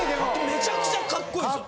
めちゃくちゃかっこいいんですよ。